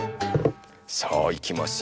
さあいきますよ。